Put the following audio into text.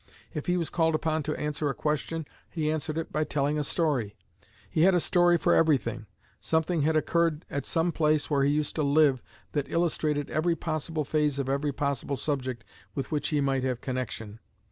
If he was called upon to answer a question, he answered it by telling a story. He had a story for everything; something had occurred at some place where he used to live that illustrated every possible phase of every possible subject with which he might have connection.